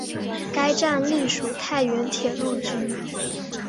该站隶属太原铁路局。